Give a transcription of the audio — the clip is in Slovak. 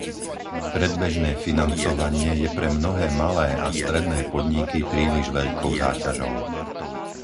Predbežné financovanie je pre mnohé malé a stredné podniky príliš veľkou záťažou.